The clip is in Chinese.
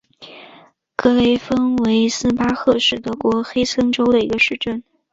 格雷芬维斯巴赫是德国黑森州的一个市镇。